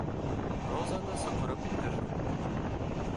Розаны саҡырып индерҙе